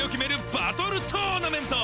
バトルトーナメント！